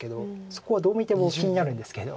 そこはどう見ても気になるんですけど。